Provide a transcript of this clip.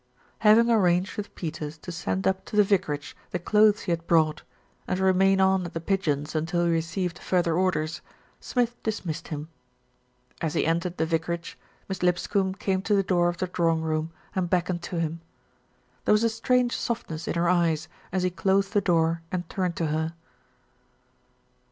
Having arranged with Peters to send up to the vicar age the clothes he had brought, and remain on at The Pigeons until he received further orders, Smith dis missed him. As he entered the vicarage, Miss Lipscombe came to the door of the drawing room and beckoned to him. There was a strange softness in her eyes as he closed the door and turned to her.